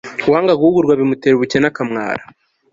uwanga guhugurwa bimutera ubukene akamwara